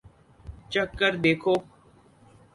چکھ کر دیکھو